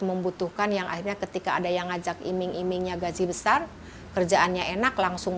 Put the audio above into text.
membutuhkan yang akhirnya ketika ada yang ngajak iming imingnya gaji besar kerjaannya enak langsung